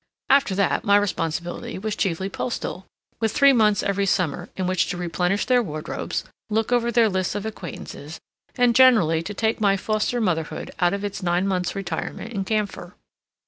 After that, my responsibility was chiefly postal, with three months every summer in which to replenish their wardrobes, look over their lists of acquaintances, and generally to take my foster motherhood out of its nine months' retirement in camphor.